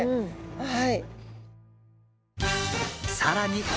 はい。